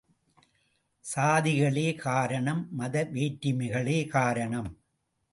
சாதிகளே காரணம் மத வேற்றுமைகளே காரணம்.